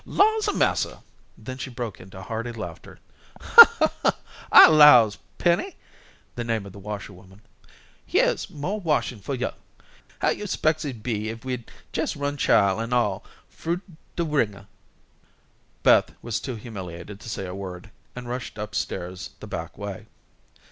"Laws a massa" then she broke into hearty laughter. "I 'lows, Penny," the name of the washerwoman, "hyere's moh washin' fur yo'. How yo' 'specs it'd be if we'd jes' run chile an' all frugh de wringer?" Beth was too humiliated to say a word, and rushed up stairs the back way.